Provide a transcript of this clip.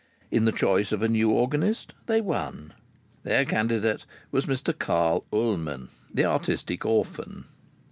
In the choice of a new organist they won. Their candidate was Mr Carl Ullman, the artistic orphan.